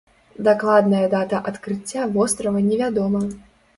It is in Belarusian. Дакладная дата адкрыцця вострава не вядома.